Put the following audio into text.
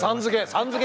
「さん」付け。